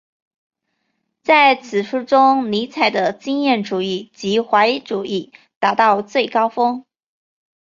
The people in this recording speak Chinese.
在此书中尼采的经验主义及怀疑主义达到最高峰。